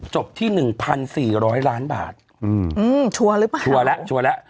จบที่หนึ่งพันสี่ร้อยล้านบาทอืมชัวร์หรือเปล่าชัวร์แล้วชัวร์แล้ว